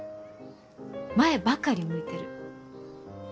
前ばかり向いてる。